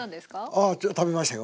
ああ食べましたよ。